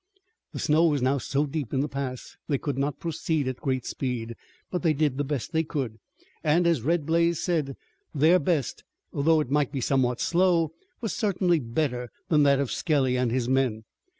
The snow was now so deep in the pass that they could not proceed at great speed, but they did the best they could, and, as Red Blaze said, their best, although it might be somewhat slow, was certainly better than that of Skelly and his men.